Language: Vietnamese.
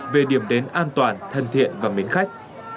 về điểm đến an toàn thân thiện và mến khách